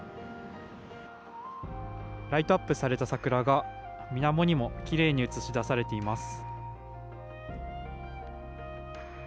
ライトアップされた桜が水面にもきれいに映し出されています。